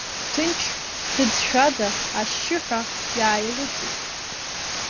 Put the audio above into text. Ҭынч, ҭыӡшәада, ашьшьыҳәа иааилыҵит.